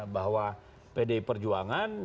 bahwa pdi perjuangan